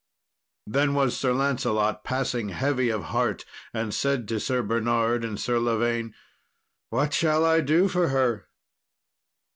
Then was Sir Lancelot passing heavy of heart, and said to Sir Bernard and Sir Lavaine, "What shall I do for her?"